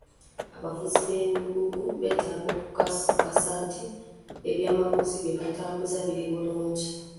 Abavuzi b'emigugu betaaga okukakasa nti eby'amaguzi bye batambuza biri bulungi.